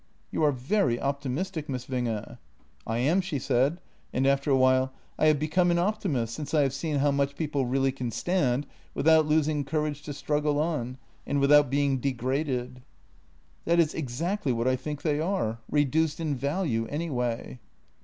" You are very optimistic, Miss Winge." " I am," she said, and after a while: " I have become an optimist since I have seen how much people really can stand without losing courage to struggle on, and without being de graded." " That is exactly what I think they are — reduced in value, anyway."